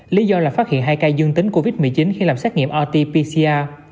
lý do là phát hiện hai ca dương tính covid một mươi chín khi làm xét nghiệm rt pcr